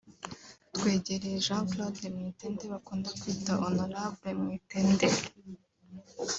twegera Jean Claude Mwitende (bakunda kwita Honorable Mwitende)